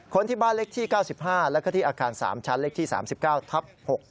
ที่บ้านเลขที่๙๕แล้วก็ที่อาคาร๓ชั้นเลขที่๓๙ทับ๖